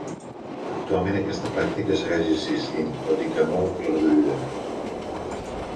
Actualment aquesta pràctica segueix existint, tot i que molt reduïda.